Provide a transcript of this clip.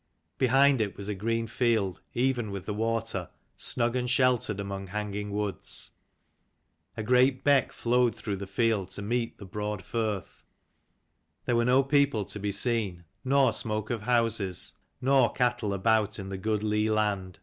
Behind it was a green field, even with the water, snug and sheltered among hanging woods. A great beck flowed through the field to meet the broad firth. There were no people to be seen, nor smoke of houses, nor cattle about in the good lea land.